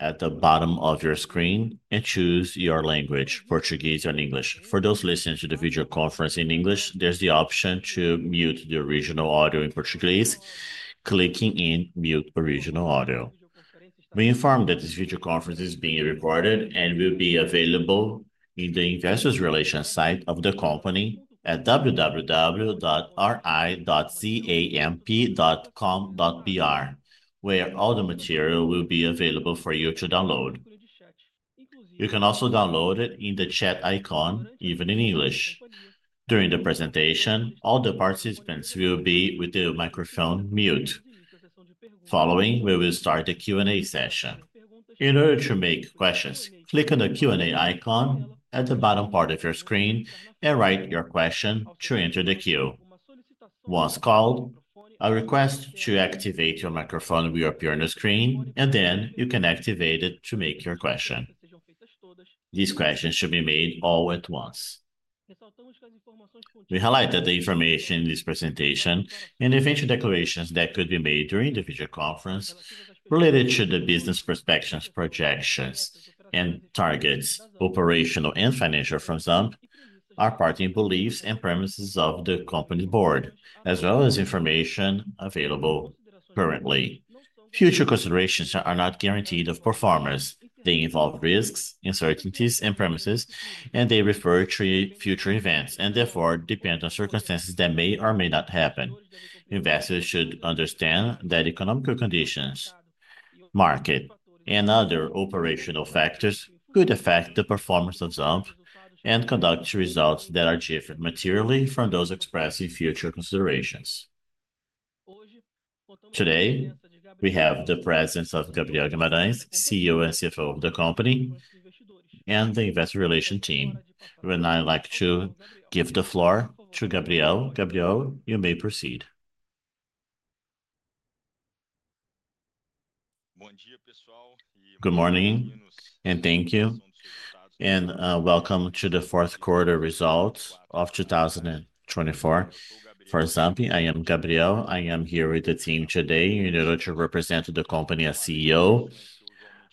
at the bottom of your screen and choose your language, Portuguese and English. For those listening to the future conference in English, there's the option to mute the original audio in Portuguese clicking in mute original audio. Be informed that this future conference is being recorded and will be available in the Investors Relations site of the company at www.ri.camp.com.br, where all the material will be available for you to download. You can also download it in the chat icon, even in English. During the presentation, all the participants will be with the microphone mute. Following, we will start the Q and A session. In order to make questions, click on the Q and A icon at the bottom part of your screen and write your question to enter the queue. Once called, a request to activate your microphone will appear on the screen, and then you can activate it to make your question. These questions should be made all at once. We highlighted the information in this presentation and the official declarations that could be made during the future conference related to the business prospectus, projections and targets, operational and financial firms, our party beliefs and premises of the company board, as well as information available currently. Future considerations are not guaranteed of performers. They involve risks, uncertainties and premises, and they refer to future events and therefore depend on circumstances that may or may not happen. Investors should understand that economical conditions, market, and other operational factors could affect the performance of ZAMF and conduct results that are different materially from those expressed in future considerations. Today, we have the President of Gabriel Gamadez, CEO and CFO of the company and the Investor Relations team. And I would like to give the floor to Gabriel. Gabriel, you may proceed. Good morning, and thank you. And, welcome to the fourth quarter results of 2024. For example, I am Gabriel. I am here with the team today in order to represent the company as CEO.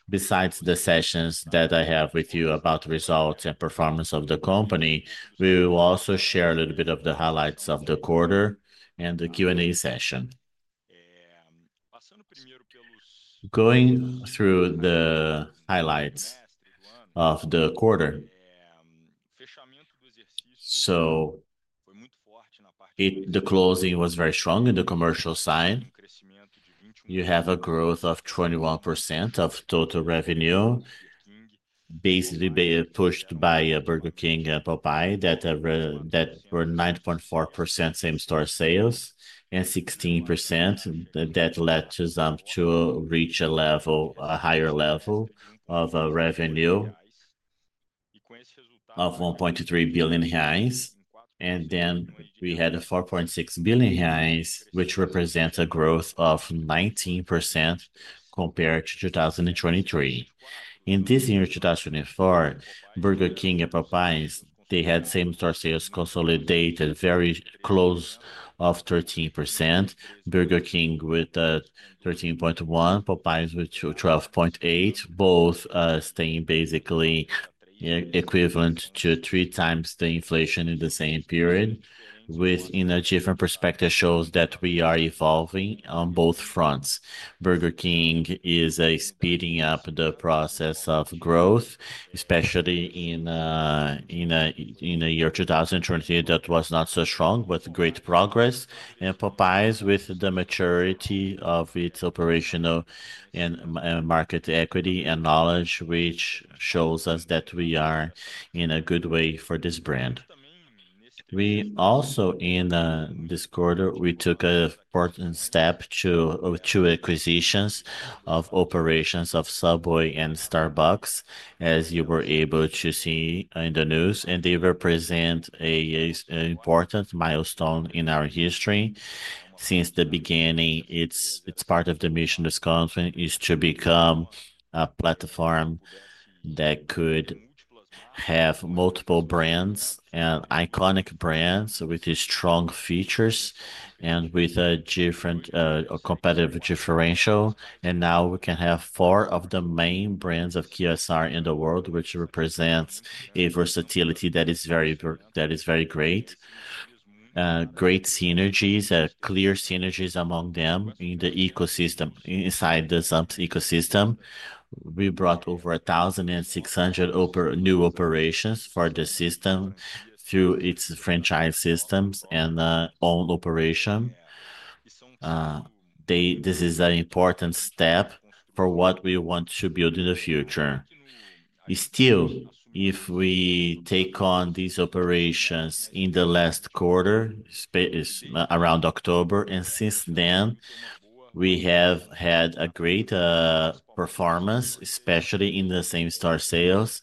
Besides the sessions that I have with you about results and performance of the company, we will also share a little bit of the highlights of the quarter and the q and a session. Going through the highlights of the quarter, so it the closing was very strong in the commercial side. You have a growth of 21% of total revenue. Basically, they pushed by Burger King that that were 9.4% same store sales and 16%. That led to them to reach a level a higher level of revenue of 1,300,000,000.0 reais, and then we had a 4,600,000,000.0 reais, which represents a growth of 19% compared to 02/2023. In this year, 02/2004, Burger King and Papayas, they had same store sales consolidated very close of 13%. Burger King with 13.1, Popeye's with 12.8, both staying basically equivalent to three times the inflation in the same period, within a different perspective shows that we are evolving on both fronts. Burger King is speeding up the process of growth, especially in, in a in a year 02/2020 that was not so strong with great progress and provides with the maturity of its operational and market equity and knowledge, which shows us that we are in a good way for this brand. We also in, this quarter, we took a important step to to acquisitions of operations of Subway and Starbucks, as you were able to see in the news, and they represent a important milestone in our history. Since the beginning, it's it's part of the mission this conference is to become a platform that could have multiple brands and iconic brands with these strong features and with a different, competitive differential. And now we can have four of the main brands of QSR in the world, which represents a versatility that is very that is very great. Great synergies, clear synergies among them in the ecosystem inside the Zump ecosystem. We brought over a 600 over new operations for the system through its franchise systems and, old operation. They this is an important step for what we want to build in the future. Still, if we take on these operations in the last quarter, around October, and since then, we have had a great performance, especially in the same star sales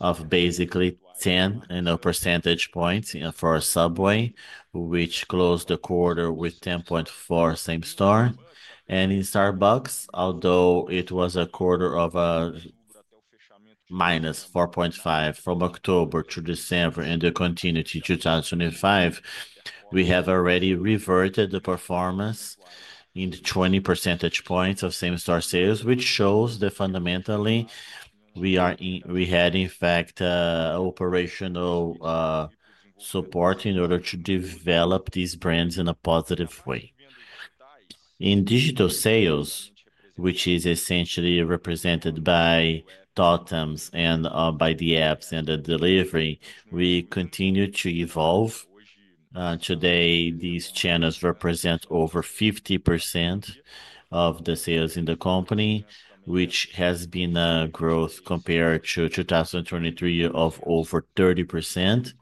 of basically 10 percentage points for Subway, which closed the quarter with 10.4 same star. And in Starbucks, although it was a quarter of minus 4.5 from October to December and continued to '2 thousand and '5, we have already reverted the performance in the 20 percentage points of same store sales, which shows that, fundamentally, we are in we had, in fact, operational support in order to develop these brands in a positive way. In digital sales, which is essentially represented by Totems and, by the apps and the delivery, we continue to evolve. Today, these channels represent over 50% of the sales in the company, which has been a growth compared to 2023 of over 30%.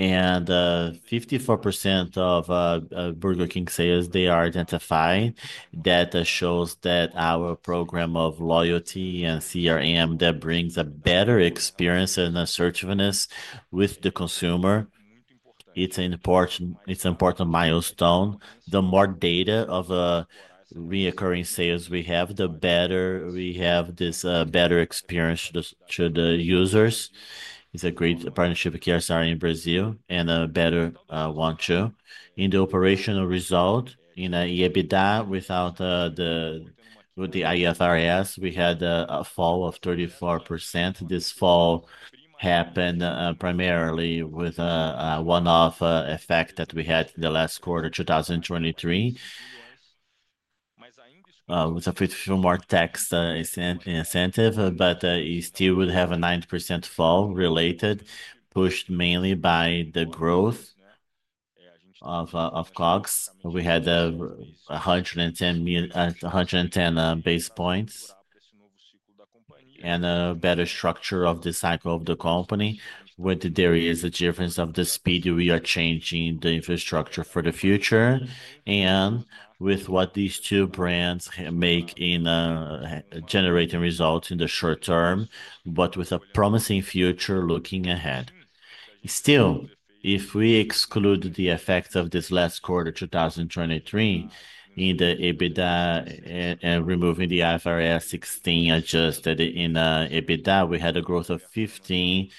And, 54% of Burger King sales, they are identified. That shows that our program of loyalty and CRM that brings a better experience and a searchfulness with the consumer, It's an important milestone. The more data of reoccurring sales we have, the better we have this better experience to the users. It's a great partnership with Kiarasari in Brazil and a better one, too. In the operational result, in EBITDA without the with the ISRS, we had a fall of 34%. This fall happened, primarily with a one off effect that we had in the last quarter 02/2023. It was a more tax incentive, but, you still would have a 9% fall related pushed mainly by the growth of COGS. We had a 10 a 10 base points and a better structure of the cycle of the company. What there is a difference of the speed that we are changing the infrastructure for the future and with what these two brands can make in generating results in the short term, but with a promising future looking ahead. Still, if we exclude the effects of this last quarter twenty twenty three in the EBITDA and removing the IFRS 16 adjusted in EBITDA, we had a growth of 15%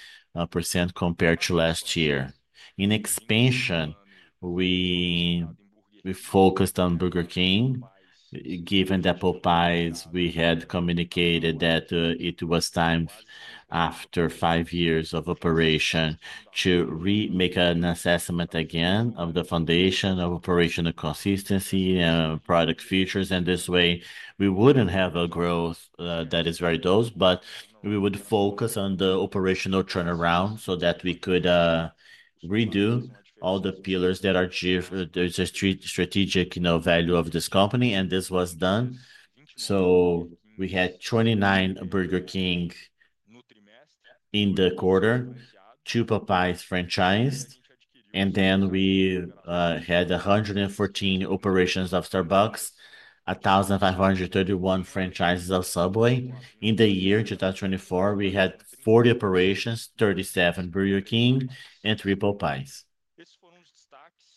compared to last year. In expansion, we we focused on Burger King. Given that we had communicated that, it was time after five years of operation to remake an assessment again of the foundation of operational consistency, product features. And this way, we wouldn't have a growth, that is very dosed, but we would focus on the operational turnaround so that we could redo all the pillars that are there's a street strategic, you know, value of this company, and this was done. So we had 29 Burger King in the quarter, Chupa Pies franchised, and then we, had a 14 operations of Starbucks, a 531 franchises of Subway. In the year 02/2024, we had 40 operations, 37 Burger King, and three Popeye's.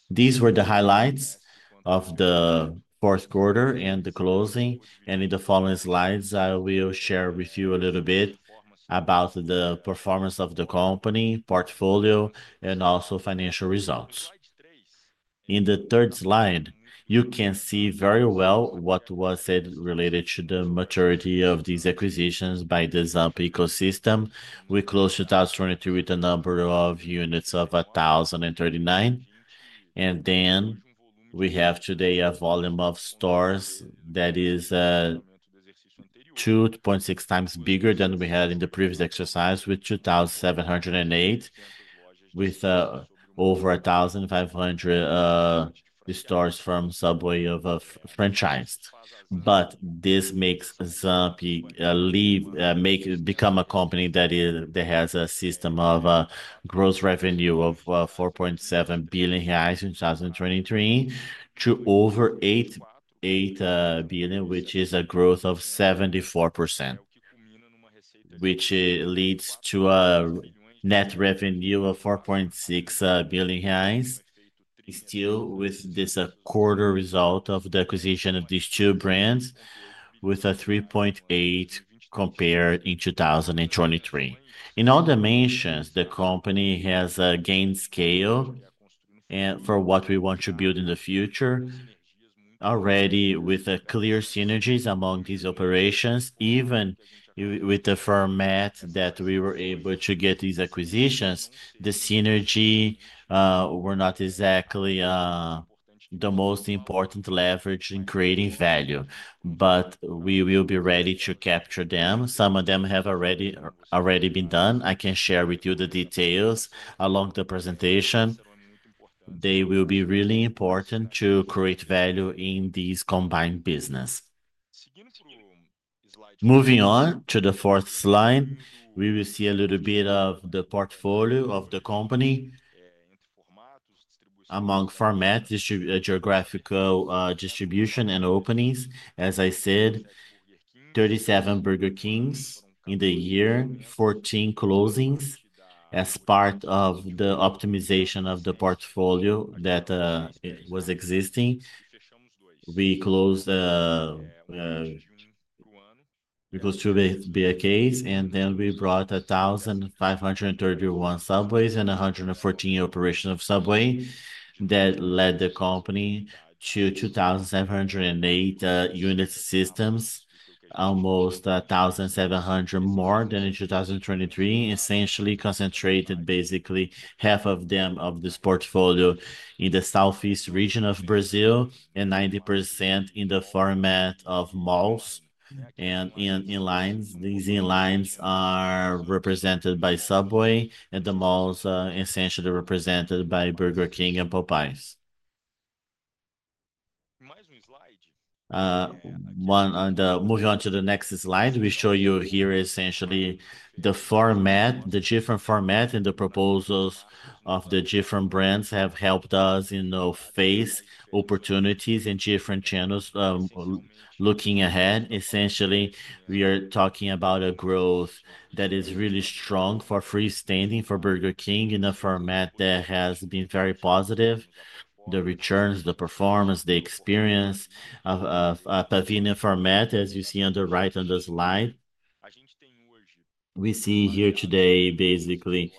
These were the highlights of the fourth quarter and the closing. And in the following slides, I will share with you a little bit about the performance of the company, portfolio, and also financial results. In the third slide, you can see very well what was said related to the maturity of these acquisitions by the Zump ecosystem. We closed to thousand twenty two with a number of units of a 39. And then we have today a volume of stores that is 2.6 times bigger than we had in the previous exercise with 2,708 with over a 500, stars from Subway of of franchised. But this makes Zapier leave make become a company that is that has a system of gross revenue of 4,700,000,000.0 in 02/2023 to over eight eight billion, which is a growth of 74%, which leads to a net revenue of 4,600,000,000.0 highs. Still, with this quarter result of the acquisition of these two brands with a 3.8 compared in 02/2023. In other mentions, the company has gained scale for what we want to build in the future already with clear synergies among these operations, even with the format that we were able to get these acquisitions, the synergy, were not exactly the most important leverage in creating value, but we will be ready to capture them. Some of them have already already been done. I can share with you the details along the presentation. They will be really important to create value in this combined business. Moving on to the fourth slide, we will see a little bit of the portfolio of the company among formats, geographical distribution and openings. As I said, 37 Burger Kings in the year, 14 closings as part of the optimization of the portfolio that was existing. We closed because two of the the case, and then we brought a thousand 531 subways and a 14 operation of subway that led the company to 2,708, unit systems, almost a 700 more than in 02/2023, essentially concentrated basically half of them of this portfolio in the Southeast Region of Brazil and 90% in the format of malls and in in lines. These in lines are represented by Subway, and the malls, essentially represented by Burger King and Popeye's. One on the moving on to the next slide, we show you here essentially the format, the different format and the proposals of the different brands have helped us, you know, face opportunities in different channels. Looking ahead, essentially, we are talking about a growth that is really strong for free standing for Burger King in a format that has been very positive. The returns, the performance, the experience of of, Taffy in the format, as you see on the right on the slide, we see here today, basically,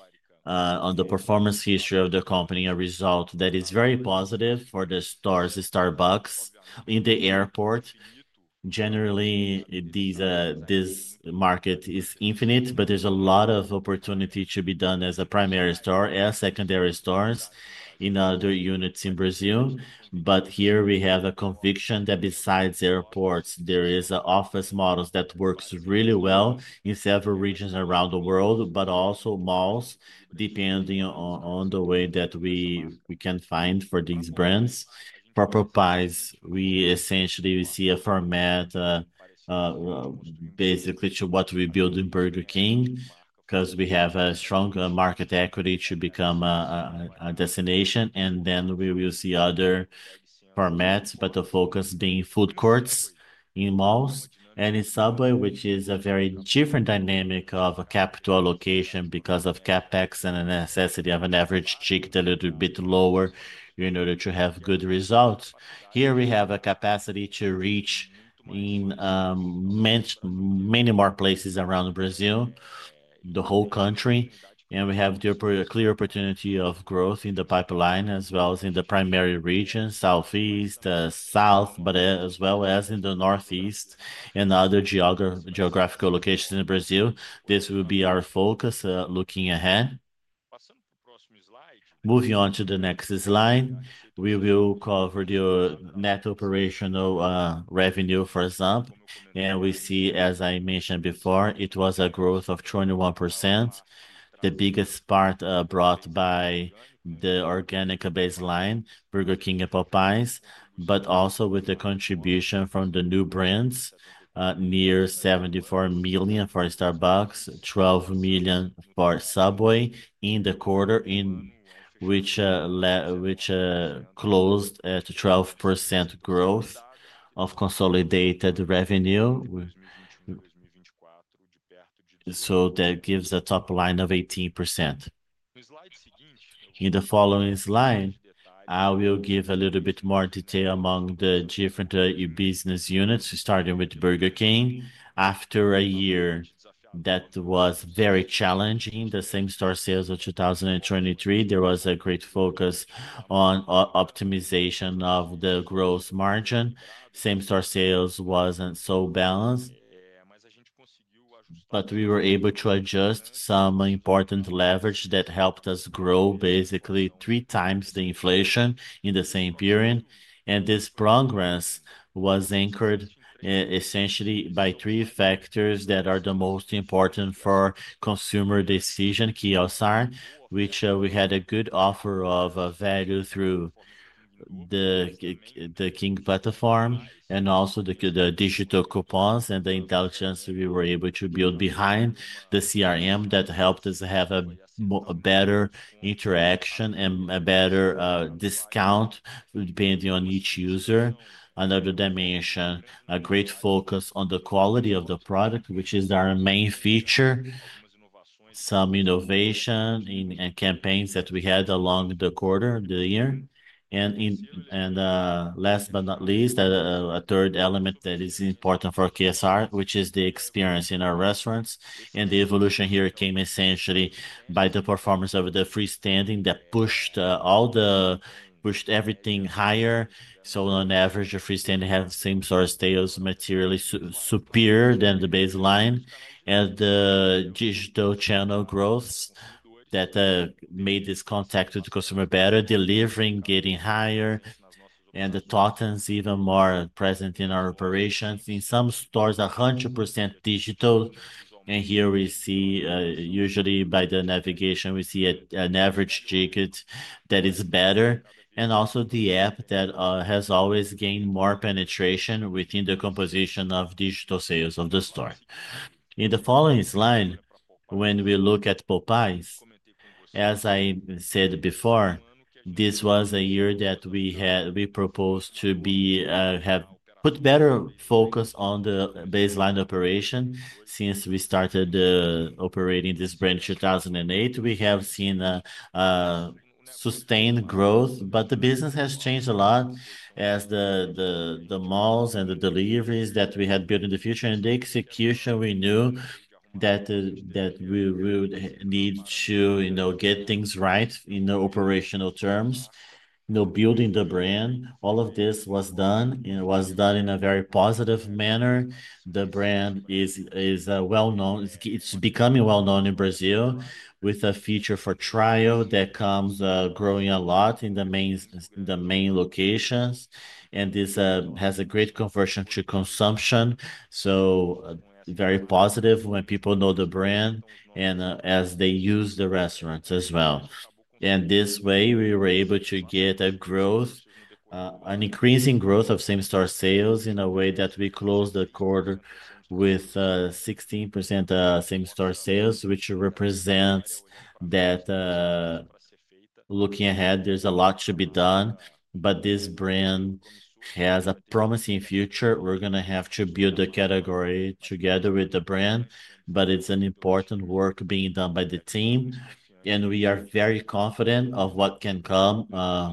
on the performance history of the company, a result that is very positive for the stars, the Starbucks in the airport. Generally, these, this market is infinite, but there's a lot of opportunity to be done as a primary store as secondary stores in other units in Brazil. But here, we have a conviction that besides airports, there is a office model that works really well in several regions around the world, but also malls depending on the way that we we can find for these brands. Proper pies, we essentially see a format, basically to what we build in Burger King because we have a stronger market equity. It should become a destination, and then we will see other formats, but the focus being food courts in malls and in Subway, which is a very different dynamic of a capital allocation because of CapEx and the necessity of an average ticket a little bit lower in order to have good results. Here, we have a capacity to reach in many more places around Brazil, the whole country, and we have a clear opportunity of growth in the pipeline as well as in the primary region, Southeast, South, but as well as in the Northeast and other geographical locations in Brazil. This will be our focus, looking ahead. Moving on to the next slide, we will cover the net operational, revenue for ZAP. And we see, as I mentioned before, it was a growth of 21%. The biggest part brought by the organic baseline, Burger King and Popeye's, but also with the contribution from the new brands, near 74,000,000 for Starbucks, twelve million for Subway in the quarter in which closed at 12% growth of consolidated revenue, so that gives a top line of 18%. In the following slide, I will give a little bit more detail among the different business units starting with Burger King. After a year that was very challenging, the same store sales of 2,023, there was a great focus on optimization of the gross margin. Same store sales wasn't so balanced, but we were able to adjust some important leverage that helped us grow basically three times the inflation in the same period. And this progress was anchored essentially by three factors that are the most important for consumer decision, Kyosarn, which we had a good offer of value through the the Kingfata Farm and also the good digital coupons and the intelligence that we were able to build behind the CRM that helped us have a better interaction and a better discount depending on each user. Another dimension, a great focus on the quality of the product, which is our main feature, some innovation in in campaigns that we had along the quarter of the year. And in and, last but not least, a third element that is important for KSR, which is the experience in our restaurants. And the evolution here came essentially by the performance of the freestanding that pushed all the pushed everything higher. So on average, a freestanding have same source tails materially superior than the baseline. And the digital channel growth that made this contact with the customer better, delivering, getting higher, and the even more present in our operations. In some stores, a % digital. And here we see, usually, by the navigation, we see an average ticket that is better and also the app that, has always gained more penetration within the composition of digital sales on the store. In the following slide, when we look at Popeye's, as I said before, this was a year that we had we proposed to be, have put better focus on the baseline operation. Since we started operating this branch 02/2008, we have seen sustained growth, but the business has changed a lot as the malls and the deliveries that we had built in the future and the execution, we knew that we would need to get things right in the operational terms. You know, building the brand, all of this was done, you know, was done in a very positive manner. The brand is is, well known. It's it's becoming well known in Brazil with a feature for trial that comes growing a lot in the main in the main locations. And this has a great conversion to consumption, so very positive when people know the brand and as they use the restaurants as well. And this way, we were able to get a growth, an increasing growth of same store sales in a way that we closed the quarter with 16% same store sales, which represents that, looking ahead, there's a lot to be done, but this brand has a promising future. We're gonna have to build the category together with the brand, but it's an important work being done by the team, and we are very confident of what can come.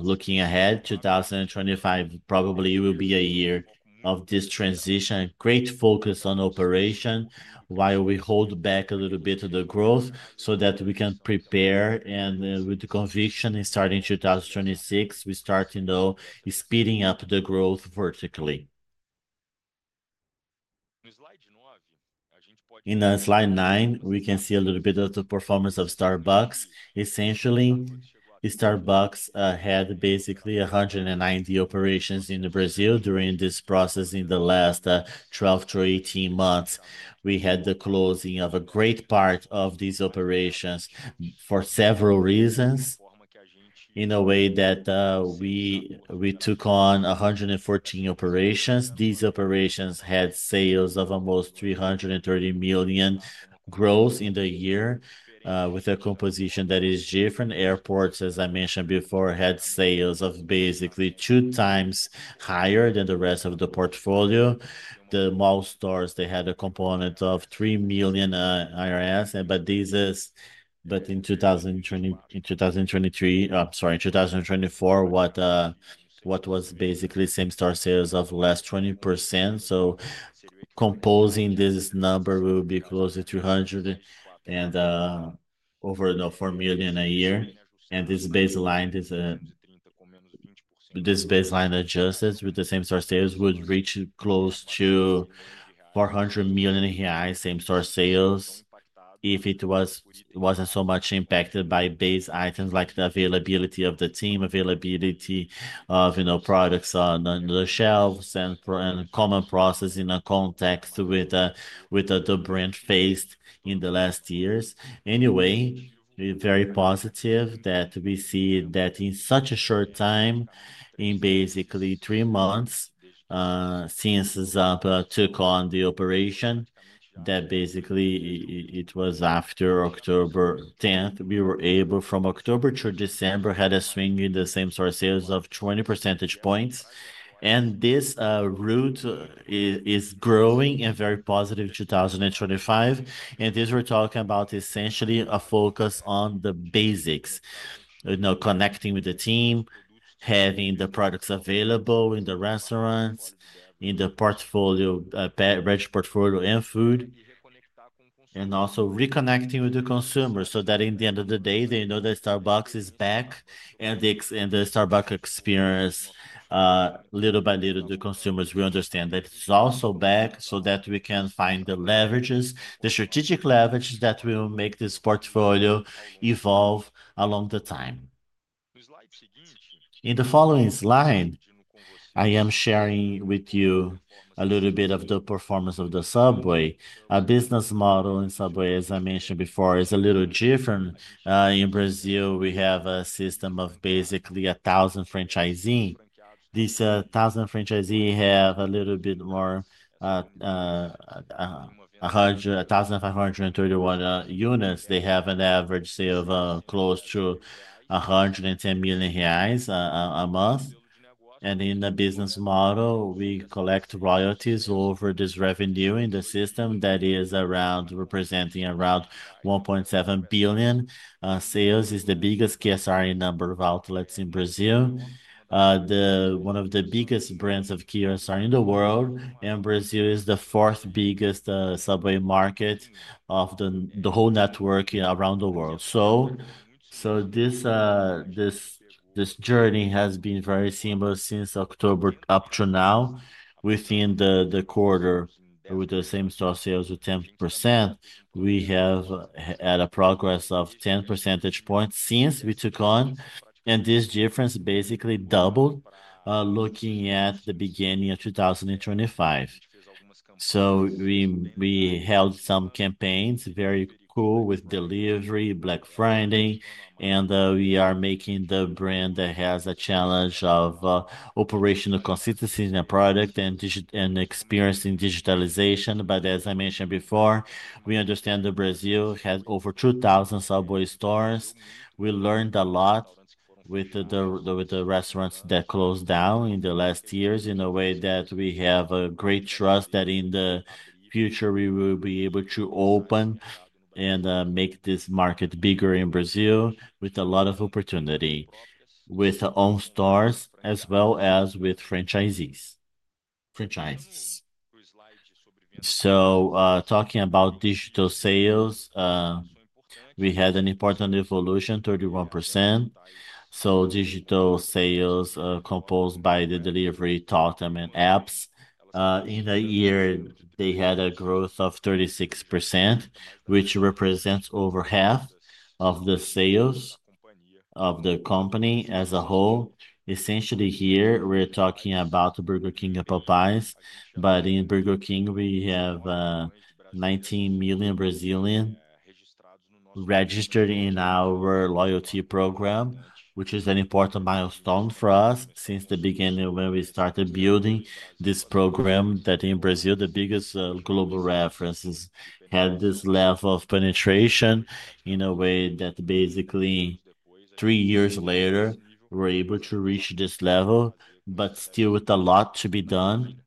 Looking ahead, 02/2025 probably will be a year of this transition. Great focus on operation while we hold back a little bit of the growth so that we can prepare. And with the conviction, starting 2026, we start to know speeding up the growth vertically. In slide nine, we can see a little bit of the performance of Starbucks. Essentially, Starbucks had basically 190 operations in Brazil during this process in the last twelve to eighteen months. We had the closing of a great part of these operations for several reasons in a way that we took on 114 operations. These operations had sales of almost $330,000,000 growth in the year, with a composition that is different airports, as I mentioned before, had sales of basically two times higher than the rest of the portfolio. The most stars, they had a component of 3,000,000 IRS, but this is but in 02/2020 in 02/2023 I'm sorry. In 02/2024, what, what was basically same store sales of last 20%. So composing this number will be close to 200 and, over, you know, 4,000,000 a year. And this baseline, this this baseline adjusted with the same store sales would reach close to 400,000,000 AI same store sales if it was it wasn't so much impacted by base items like the availability of the team, availability of, you know, products on on the shelves and for and common process in a context with with the the brand faced in the last years. Anyway, we're very positive that we see that in such a short time, in basically three months, since Zapata took on the operation, that basically it was after October 10. We were able from October to December had a swing in the same store sales of 20 percentage points, and this, route is growing and very positive 02/2025. And this we're talking about essentially a focus on the basics, you know, connecting with the team, having the products available in the restaurants, in the portfolio, beverage portfolio and food, and also reconnecting with the consumers so that in the end of the day, they know that Starbucks is back and the and the Starbucks experience, little by little, the consumers will understand that it's also back so that we can find the leverages, the strategic leverage that will make this portfolio evolve along the time. In the following slide, I am sharing with you a little bit of the performance of the Subway. Our business model in Subway, as I mentioned before, is a little different. In Brazil, we have a system of basically a thousand franchisee. These thousand franchisee have a little bit more, a hundred a 531 units. They have an average sale of, close to a hundred and 10,000,000 reais a month. And in the business model, we collect royalties over this revenue in the system that is around representing around 1,700,000,000.0. Sales is the biggest KSRN number of outlets in Brazil. The one of the biggest brands of KSRN in the world, and Brazil is the fourth biggest, subway market of the whole network around the world. So this journey has been very seamless since October up to now. Within the quarter, with the same store sales of 10%, we have had a progress of 10 percentage points since we took on, and this difference basically doubled, looking at the beginning of 02/2025. So we we held some campaigns, very cool, with delivery, Black Friday, and we are making the brand that has a challenge of operational consistency in a product and experience in digitalization. But as I mentioned before, we understand that Brazil has over 2,000 Subway stores. We learned a lot with the restaurants that closed down in the last years in a way that we have a great trust that in the future, we will be able to open and make this market bigger in Brazil with a lot of opportunity with the all stars as well as with franchisees. Franchisees. So, talking about digital sales, we had an important evolution, 31%. So digital sales composed by the delivery, top them in apps. In the year, they had a growth of 36%, which represents over half of the sales of the company as a whole. Essentially, here, we're talking about Burger King Popeyes. But in Burger King, we have 19,000,000 Brazilian registered in our loyalty program, which is an important milestone for us since the beginning when we started building this program that in Brazil, the biggest global references had this level of penetration in a way that basically three years later, we're able to reach this level, but still with a lot to be done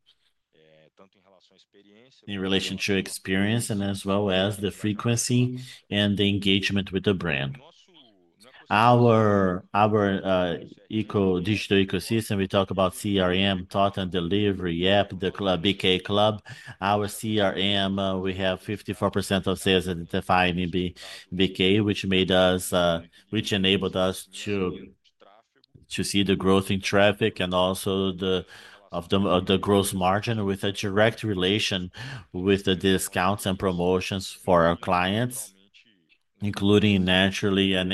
in relation to experience and as well as the frequency and the engagement with the brand. Our our, eco digital ecosystem, we talk about CRM, thought and delivery app, the club, BK Club. Our CRM, we have 54% of sales identified in BK, which made us which enabled us to to see the growth in traffic and also the the gross margin with a direct relation with the discounts and promotions for our clients, including naturally and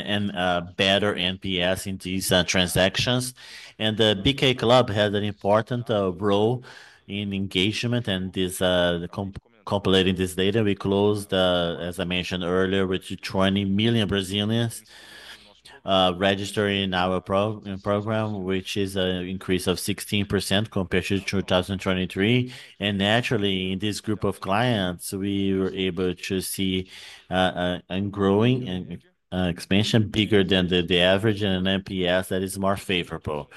better NPS in these transactions. And the BK Club has an important role in engagement and this, the comp compulating this data. We closed, as I mentioned earlier, with 20,000,000 Brazilians registering in our pro in program, which is an increase of 16% compared to 02/2023. And, naturally, in this group of clients, we were able to see, a growing and expansion bigger than the the average and an NPS that is more favorable.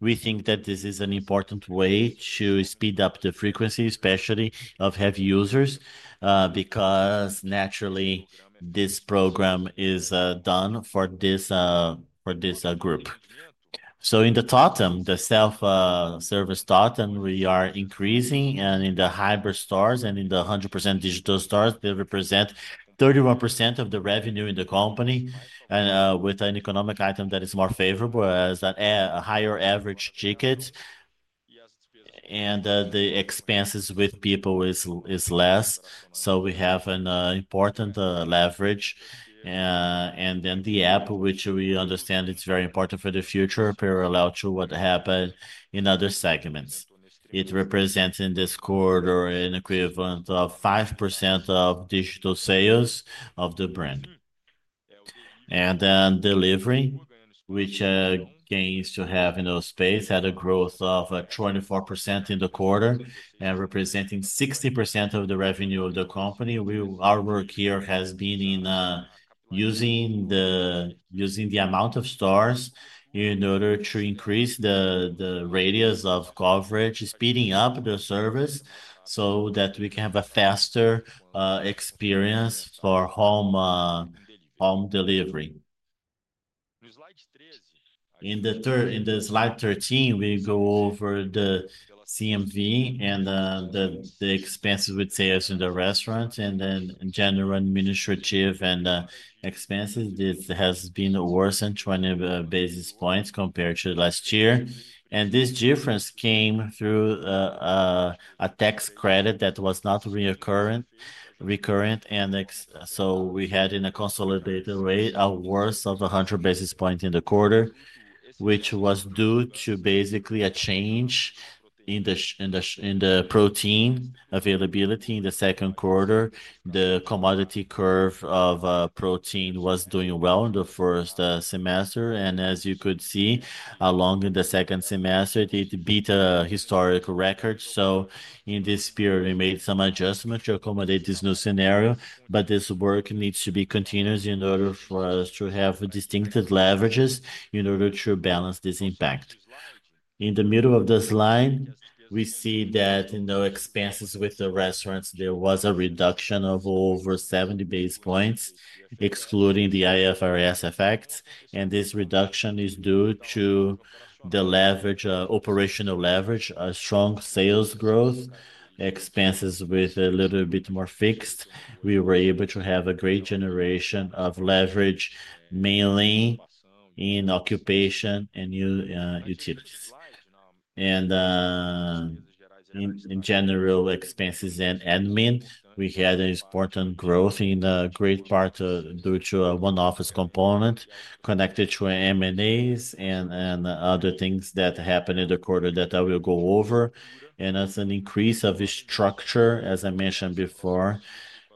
We think that this is an important way to speed up the frequency, especially of heavy users, because naturally, this program is done for this, for this group. So in the Tatum, the self, service Tatum, we are increasing. And in the hybrid stars and in the % digital stars, they represent 31 of the revenue in the company and, with an economic item that is more favorable as a higher average ticket. Yes. And, the expenses with people is is less. So we have an important leverage. And then the app, which we understand it's very important for the future, parallel to what happened in other segments. It represents in this quarter an equivalent of 5% of digital sales of the brand. And then delivery, which gains to have in those space, had a growth of 24% in the quarter and representing 60% of the revenue of the company. We our work here has been in using the using the amount of stars in order to increase the the radius of coverage, speeding up the service so that we can have a faster, experience for home, home delivery. In the third in the slide 13, we go over the CMV and the the expenses with sales in the restaurants and then general administrative and expenses. This has been a worse than 20 basis points compared to last year. And this difference came through a tax credit that was not recurrent and so we had in a consolidated rate a worse of 100 basis points in the quarter, which was due to basically a change in the in the in the protein availability in the second quarter. The commodity curve of, protein was doing well in the first semester. And as you could see, along in the second semester, it beat a historical record. So in this period, we made some adjustments to accommodate this new scenario, but this work needs to be continuous in order for us to have a distinctive leverages in order to balance this impact. In the middle of this line, we see that in the expenses with the restaurants, there was a reduction of over 70 basis points excluding the IFRS effect, and this reduction is due to the leverage, operational leverage, a strong sales growth, expenses with a little bit more fixed. We were able to have a great generation of leverage mainly in occupation, and u, utilities. And, in in general, expenses and admin, we had an important growth in a great part to do to a one office component connected to m and a's and and other things that happened in the quarter that I will go over. And as an increase of the structure, as I mentioned before,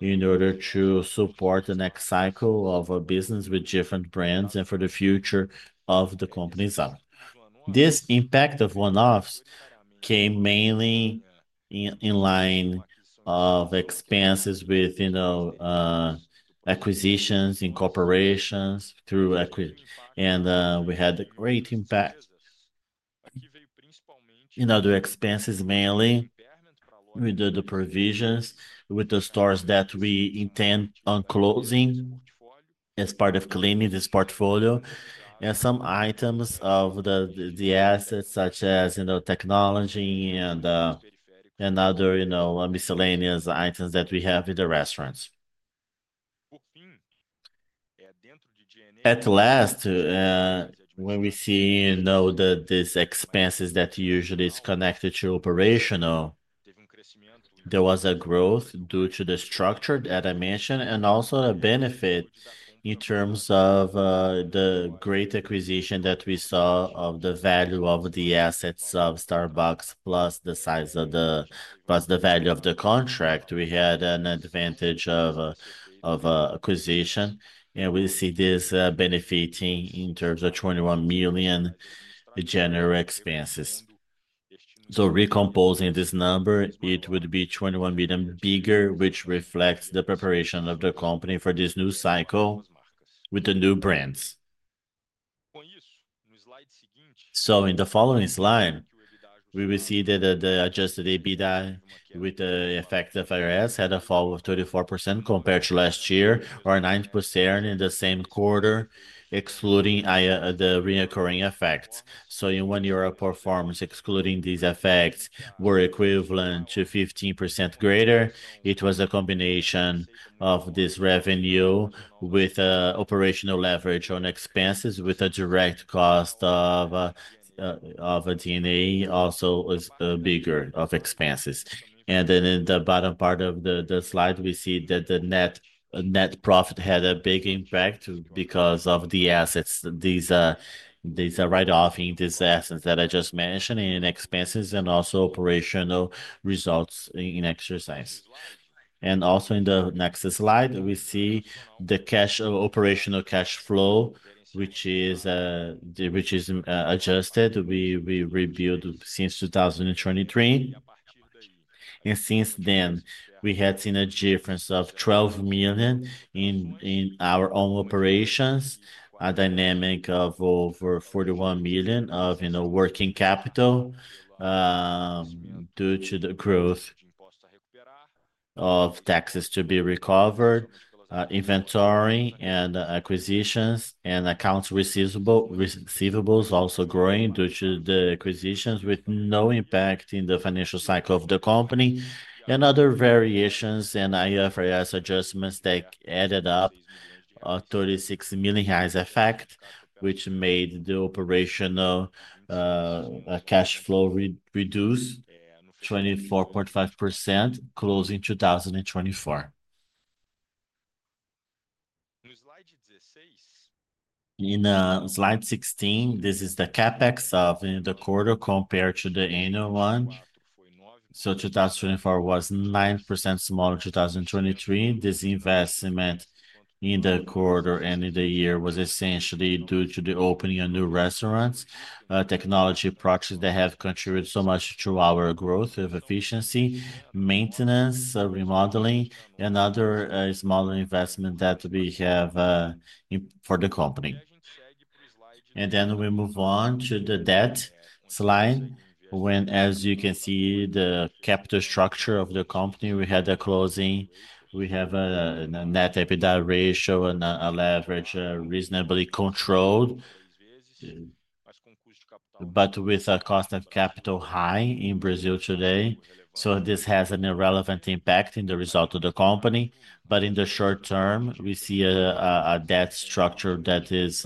in order to support the next cycle of a business with different brands and for the future of the company's art. This impact of one offs came mainly in line of expenses with, you know, acquisitions, incorporations through equity, and, we had a great impact. You know, the expenses mainly with the the provisions with the stores that we intend on closing as part of cleaning this portfolio, and some items of the the assets such as, you know, technology and, and other, you know, miscellaneous items that we have in the restaurants. At last, when we see, you know, the these expenses that usually is connected to operational, there was a growth due to the structure that I mentioned and also a benefit in terms of, the great acquisition that we saw of the value of the assets of Starbucks plus the size of the plus the value of the contract, we had an advantage of of acquisition, and we see this benefiting in terms of 21,000,000 general expenses. So, recomposing this number, it would be 21,000,000 bigger, which reflects the preparation of the company for this new cycle with the new brands. So in the following slide, we will see that the adjusted EBITDA with the effect of IRS had a fall of 34% compared to last year or 9% in the same quarter, excluding the reoccurring effects. So when your performance excluding these effects were equivalent to 15% greater, it was a combination of this revenue with operational leverage on expenses with a direct cost of of a D and A also is bigger of expenses. And then in the bottom part of the the slide, we see that the net net profit had a big impact because of the assets. These these are write off in these assets that I just mentioned in expenses and also operational results in exercise. And also in the next slide, we see the cash of operational cash flow, which is, which is, adjusted. We we rebuild since 02/2023. And since then, we had seen a difference of 12,000,000 in in our own operations, a dynamic of over 41,000,000 of, you know, working capital due to the growth of taxes to be recovered, inventory and acquisitions and accounts receivable also growing due to the acquisitions with no impact in the financial cycle of the company and other variations and IFRS adjustments that added up 36,000,000 high as effect, which made the operational, cash flow reduce 24.5% closed in 2024. In slide 16, this is the CapEx of the quarter compared to the annual one. So 2024 was 9% smaller in 2023. This investment in the quarter ending the year was essentially due to the opening of new restaurants, technology projects that have contributed so much to our growth of efficiency, maintenance, remodeling, and other, smaller investment that we have, for the company. And then we move on to the debt slide when, as you can see, the capital structure of the company, we had the closing. We have a net EBITDA ratio and a a leverage reasonably controlled, but with a cost of capital high in Brazil today. So this has an irrelevant impact in the result of the company. But in the short term, we see a debt structure that is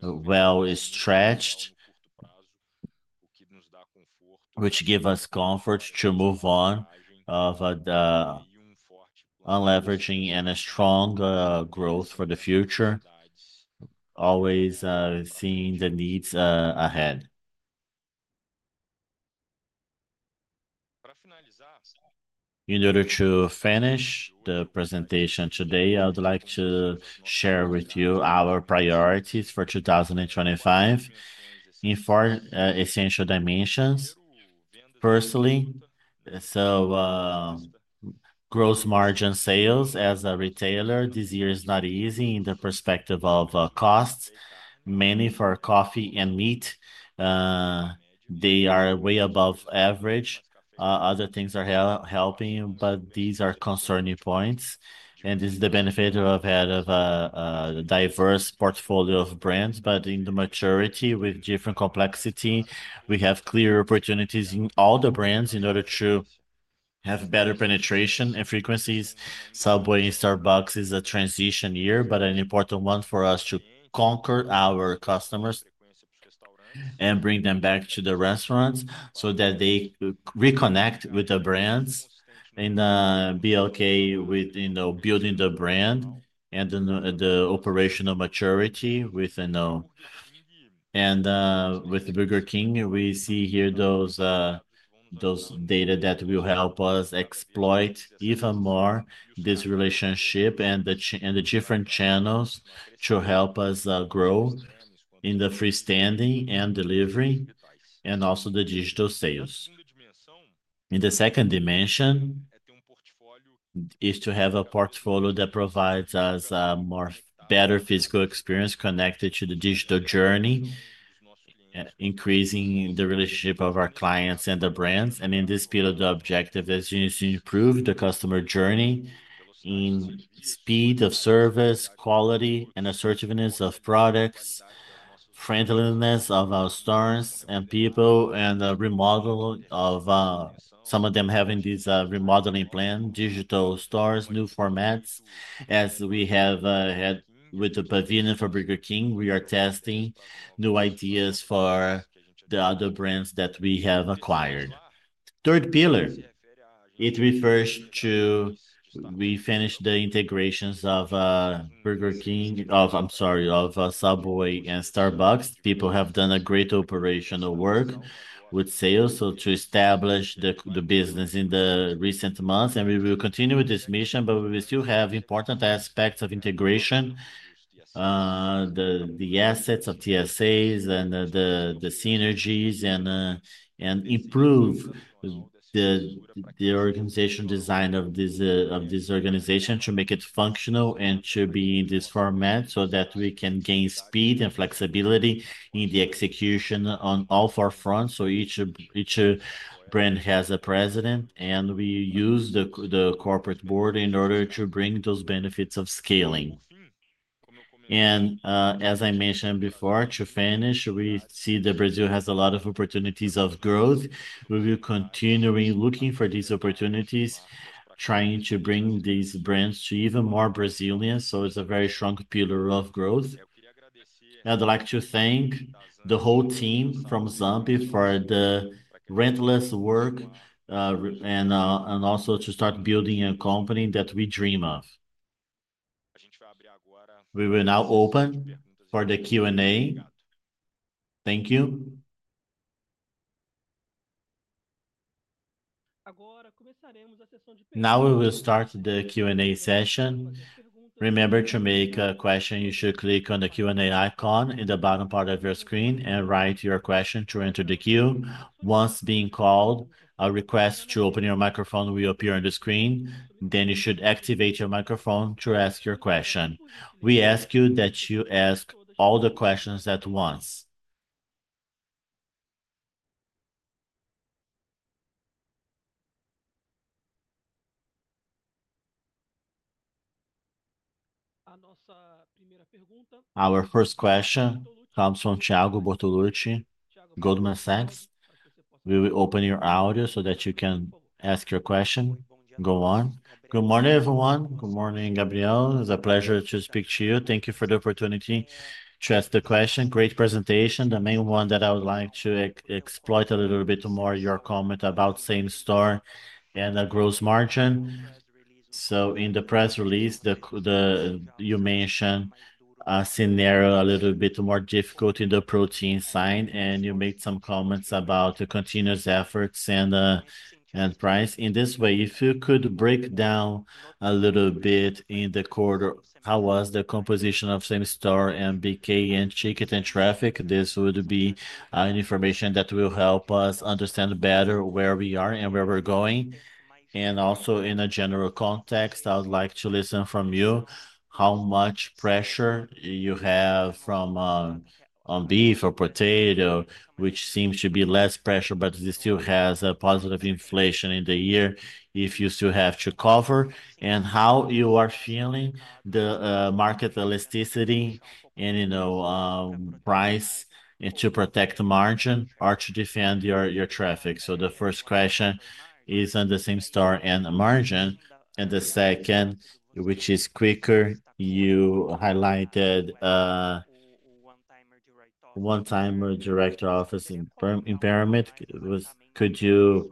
well stretched, which give us comfort to move on of the unleveraging and a strong growth for the future. Always seeing the needs ahead. In order to finish the presentation today, I would like to share with you our priorities for 02/2025 in four essential dimensions. Personally, so, gross margin sales as a retailer this year is not easy in the perspective of costs, mainly for coffee and meat. They are way above average. Other things are helping, but these are concerning points. And this is the benefit of a diverse portfolio of brands. But in the maturity with different complexity, we have clear opportunities in all the brands in order to have better penetration and frequencies. Subway, Starbucks is a transition year, but an important one for us to conquer our customers and bring them back to the restaurants so that they reconnect with the brands and be okay with, you know, building the brand and the operational maturity within, and, with Burger King, we see here those those data that will help us exploit even more this relationship and the and the different channels to help us grow in the freestanding and delivery and also the digital sales. In the second dimension is to have a portfolio that provides us a more better physical experience connected to the digital journey, increasing the relationship of our clients and the brands. And in this field, the objective is you need to improve the customer journey in speed of service, quality, and assertiveness of products, friendliness of our stars and people, and the remodel of some of them having this remodeling plan, digital stars, new formats. As we have, had with the pavilion for Burger King, we are testing new ideas for the other brands that we have acquired. Third pillar, it refers to we finished the integrations of Burger King oh, I'm sorry, of Subway and Starbucks. People have done a great operational work with sales, so to establish the the business in the recent months, and we will continue with this mission, but we will still have important aspects of integration, the the assets of TSAs and the the the synergies and and improve the the organization design of this, of this organization to make it functional and to be in this format so that we can gain speed and flexibility in the execution on all four fronts. So each each brand has a president, and we use the the corporate board in order to bring those benefits of scaling. And, as I mentioned before, to finish, we see that Brazil has a lot of opportunities of growth. We will continue looking for these opportunities, trying to bring these brands to even more Brazilians. So it's a very strong pillar of growth. I'd like to thank the whole team from Zampi for the rentless work, and, and also to start building a company that we dream of. We will now open for the Q and A. Thank you. Now we will start the q and a session. Remember to make a question, you should click on the q and a icon in the bottom part of your screen and write your question to enter the queue. Once being called, a request to open your microphone will appear on the screen, then you should activate your microphone to ask your question. We ask you that you ask all the questions at once. Our first question comes from Thiago Boto Gucci, Goldman Sachs. We will open your audio so that you can ask your question. Go on. Good morning, everyone. Good morning, Gabriel. It's a pleasure to speak to you. Thank you for the opportunity to ask the question. Great presentation. The main one that I would like to exploit a little bit more, your comment about same store and the gross margin. So in the press release, the the you mentioned, a scenario a little bit more difficult in the protein sign, and you made some comments about the continuous efforts and, and price. In this way, if you could break down a little bit in the quarter, how was the composition of SameStar MBK and Shake It and Traffic? This would be, an information that will help us understand better where we are and where we're going. And also in a general context, I would like to listen from you how much pressure you have from, on beef or potato, which seems to be less pressure, but it still has a positive inflation in the year if you still have to cover and how you are feeling the market elasticity and, you know, price to protect the margin or to defend your your traffic. So the first question is on the same store and margin. And the second, which is quicker, you highlighted, one timer director office in per in pyramid. Could you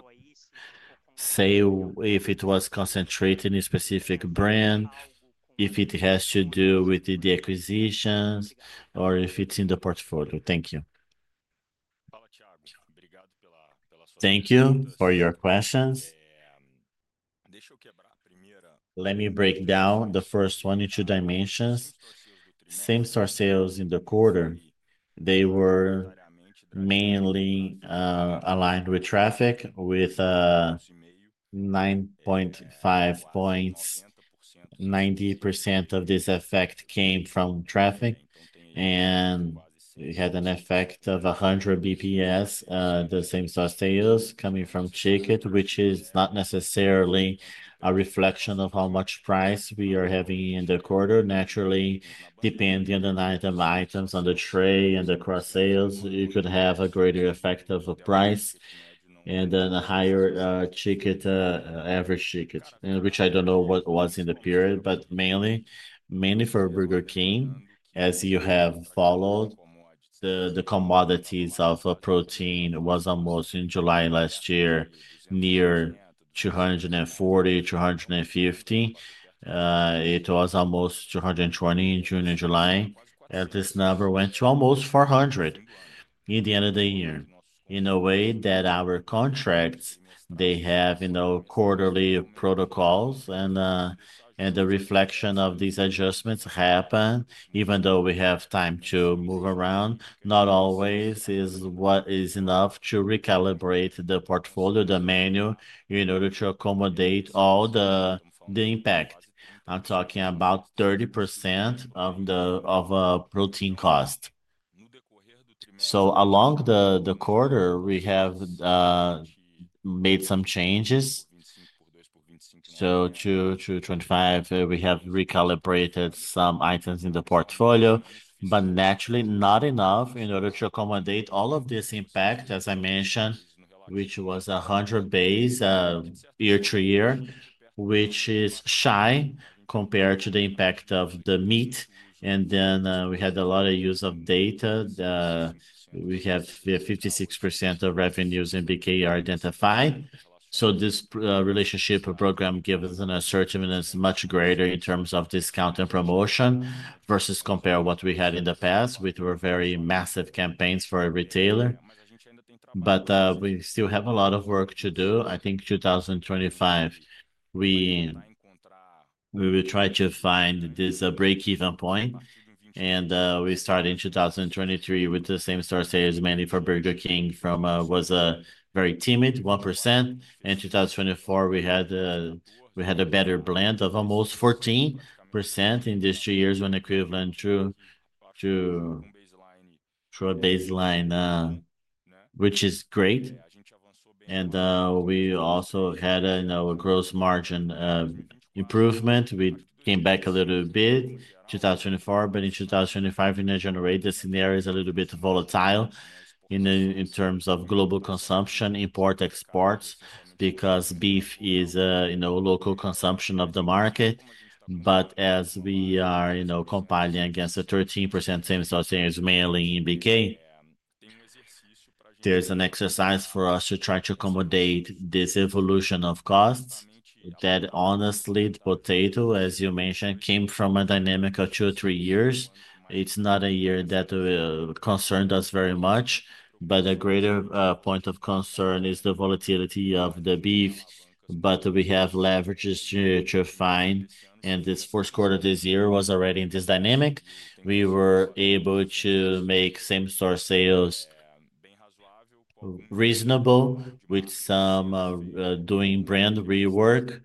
say if it was concentrated in specific brand, if it has to do with the acquisitions, or if it's in the portfolio? Thank you. Thank you for your questions. Let me break down the first one in two dimensions. Same store sales in the quarter, they were mainly, aligned with traffic with 9.5 points. 90% of this effect came from traffic, and it had an effect of a hundred bps, the same sauce sales coming from Cheek It, which is not necessarily a reflection of how much price we are having in the quarter. Naturally, depending on item items on the tray and the cross sales, it could have a greater effect of a price and then a higher, ticket, average ticket, which I don't know what was in the period, but mainly mainly for Burger King As you have followed, the the commodities of protein was almost in July near 240, 2 hundred and 50. It was almost 220 in June and July, And this number went to almost 400 in the end of the year in a way that our contracts, they have, you know, quarterly protocols and, and the reflection of these adjustments happen even though we have time to move around, not always is what is enough to recalibrate the portfolio, the manual, in order to accommodate all the impact. I'm talking about 30% of the of, protein cost. So along the the quarter, we have made some changes. So 02/02/2025, we have recalibrated some items in the portfolio, but naturally not enough in order to accommodate all of this impact, as I mentioned, which was a hundred bays year to year, which is shy compared to the impact of the meat. And then, we had a lot of use of data. We have 56% of revenues in BK are identified. So this relationship or program gives us an assertiveness much greater in terms of discount and promotion versus compare what we had in the past with very massive campaigns for a retailer. But, we still have a lot of work to do. I think 02/2025, we we will try to find this breakeven point. And, we start in 02/2023 with the same store sales mainly for Burger King from, was a very timid 1%. In 02/2024, we had a we had a better blend of almost 14% in these two years when equivalent through to through a baseline, which is great. And, we also had a, you know, a gross margin improvement. We came back a little bit, 02/2024, but in 2025, we generated scenarios a little bit volatile in terms of global consumption, import exports because beef is local consumption of the market. But as we are, you know, compiling against the 13% same as the sales in BK, there's an exercise for us to try to accommodate this evolution of costs that honestly, potato, as you mentioned, came from a dynamic of two or three years. It's not a year that concerned us very much, but a greater point of concern is the volatility of the beef, but we have leverages to to find, and this fourth quarter this year was already in this dynamic. We were able to make same store sales reasonable with some doing brand rework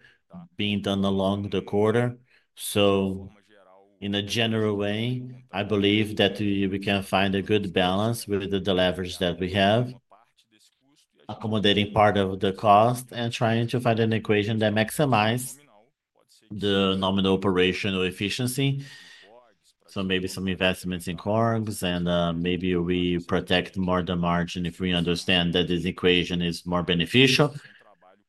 being done along the quarter. So in a general way, I believe that we can find a good balance with the leverage that we have, accommodating part of the cost and trying to find an equation that maximize the nominal operational efficiency. So maybe some investments in corgs, and, maybe we protect more the margin if we understand that this equation is more beneficial,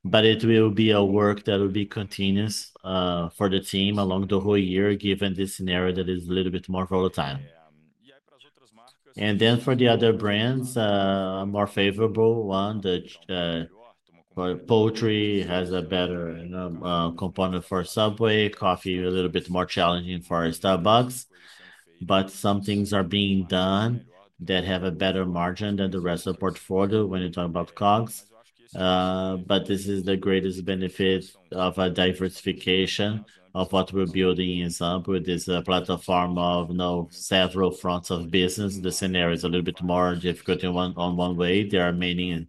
but it will be a work that will be continuous, for the team along the whole year given this scenario that is a little bit more volatile. And then for the other brands, more favorable one, the Poultry has a better component for Subway. Coffee, a little bit more challenging for Starbucks. But some things are being done that have a better margin than the rest of the portfolio when you're talking about COGS. But this is the greatest benefit of diversification of what we're building in Saab with this platform of several fronts of business. The scenario is a little bit more difficult in one way. There are many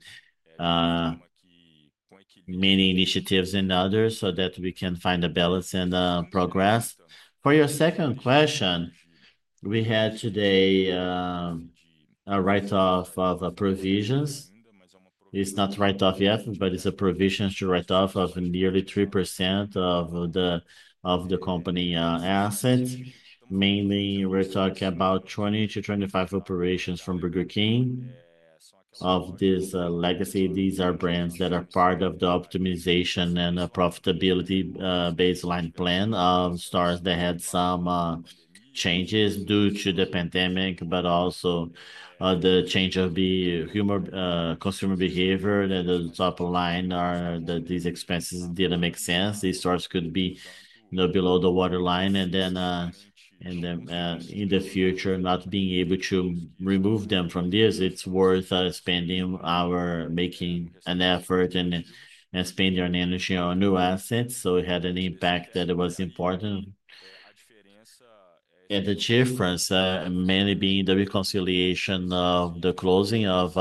many initiatives in others so that we can find a balance and progress. For your second question, we had today a write off of provisions. It's not write off yet, but it's a provision to write off of nearly 3% of the of the company, assets. Mainly, we're talking about 20 to 25 operations from Burger King. Of this legacy. These are brands that are part of the optimization and profitability baseline plan of stars that had some changes due to the pandemic, but also the change of the human, consumer behavior that the top line are that these expenses didn't make sense. These stores could be, you know, below the waterline. And then, and then, in the future, not being able to remove them from this, it's worth spending our making an effort and spending our energy on new assets. So it had an impact that it was important. And the difference, may be the reconciliation of the closing of,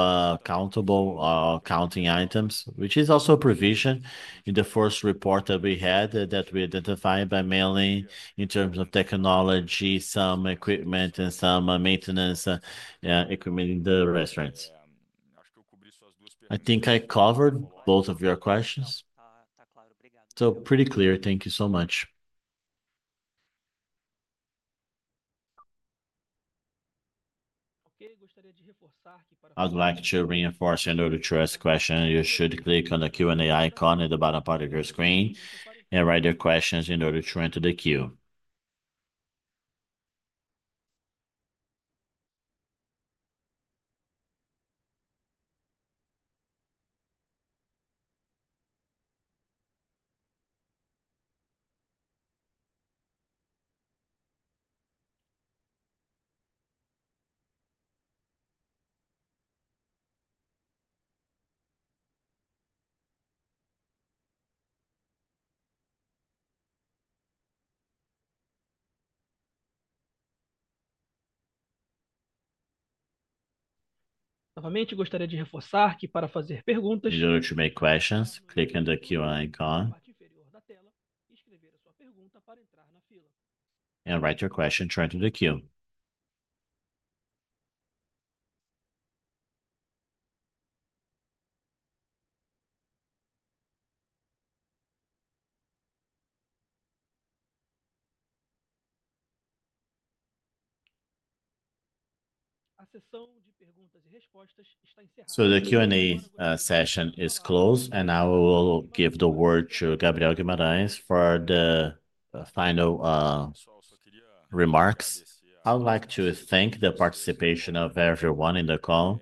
countable, counting items, which is also provision in the first report that we had that we identified by mailing in terms of technology, some equipment, and some maintenance, equipping the restaurants. I think I covered both of your questions. So pretty clear. Thank you so much. Uh-huh. In order to make questions, click on the q and a icon So the q and a session is closed, and I will give the word to Gabriel Guimaraes for the final remarks. I would like to thank the participation of everyone in the call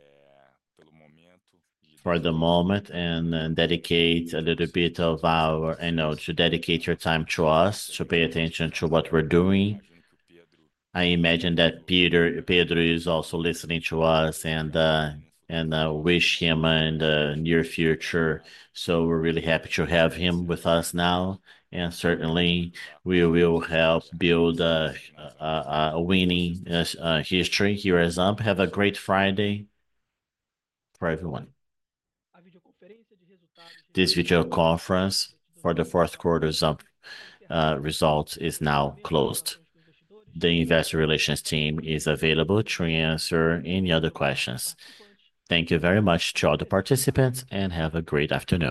for the moment and dedicate a little bit of our I know to dedicate your time to us, to pay attention to what we're doing. I imagine that Peter Pedro is also listening to us and, and I wish him in the near future. So we're really happy to have him with us now. And, certainly, we will help build a winning history here as well. Have a great Friday for everyone. This video conference for the fourth quarter Zump, results is now closed. The investor relations team is available to answer any other questions. Thank you very much to all the participants, and have a great afternoon.